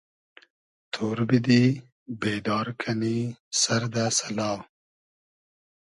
تۉر بیدی , بېدار کئنی سئر دۂ سئلا